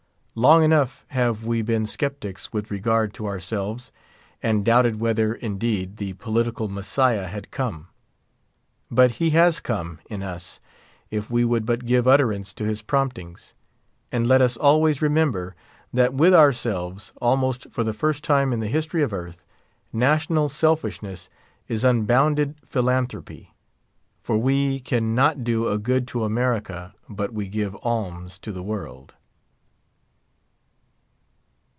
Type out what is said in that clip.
Long enough, have we been skeptics with regard to ourselves, and doubted whether, indeed, the political Messiah had come. But he has come in us, if we would but give utterance to his promptings. And let us always remember that with ourselves, almost for the first time in the history of earth, national selfishness is unbounded philanthropy; for we can not do a good to America but we give alms to the world.